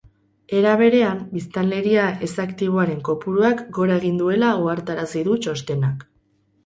Era berean, biztanleria ez-aktiboren kopuruak gora egin duela ohartarazi du txostenak.